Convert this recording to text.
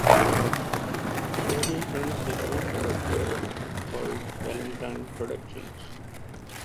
Berry runs his own production company called Valentine Productions.